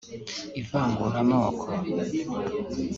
ivanguramoko